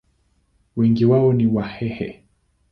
Wengi wao ni Wahehe.